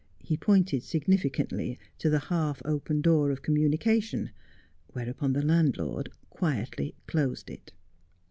He pointed sig nificantly to the half open door of communication, whereupon the landlord quietly closed it.